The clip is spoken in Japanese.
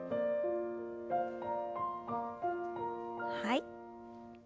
はい。